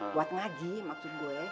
buat ngaji maksud gue